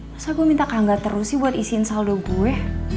masa gue minta kangga terus sih buat isiin saldo gue